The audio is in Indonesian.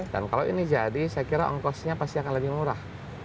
dan kalau ini jadi saya kira ongkosnya pasti akan lebih murah